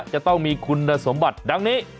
จะต้องมีคุณสมบัติดังนี้